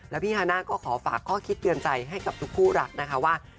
แล้วพี่ฮาน่าก็ขอฝากข้อคิดเตือนใจให้กับทุกคู่รักนะคะว่า